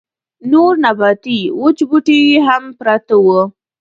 نور نباتي وچ بوټي يې هم پراته وو.